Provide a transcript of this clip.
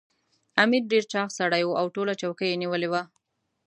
امیر ډېر چاغ سړی وو او ټوله چوکۍ یې نیولې وه.